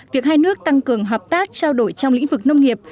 việc hai nước tăng cường hợp tác trao đổi trong lĩnh vực nông nghiệp